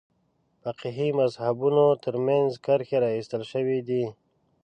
فقهي مذهبونو تر منځ کرښې راایستل شوې دي.